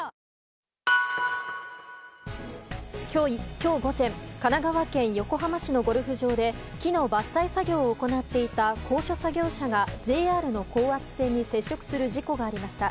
今日午前神奈川県横浜市のゴルフ場で木の伐採作業を行っていた高所作業車がＪＲの高圧線に接触する事故がありました。